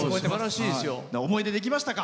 思い出できましたか？